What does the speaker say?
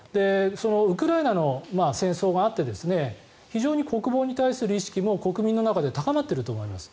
ウクライナの戦争があって非常に国防に対する意識も国民の中で高まっていると思います。